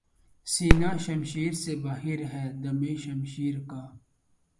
سینہٴ شمشیر سے باہر ہے دم شمشیر کا